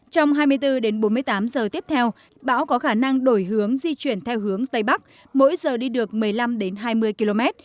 trong hai mươi bốn đến bốn mươi tám giờ tiếp theo bão có khả năng đổi hướng di chuyển theo hướng tây bắc mỗi giờ đi được một mươi năm hai mươi km